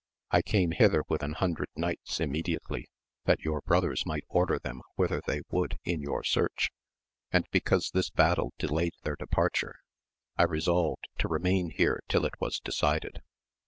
I came hither with an hundred knights immediately that your brothers might order them whither they would in your search, and because this battle delayed their departure, I resolved to remain here till it was decided.